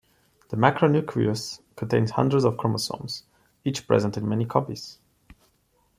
The macronucleus contains hundreds of chromosomes, each present in many copies.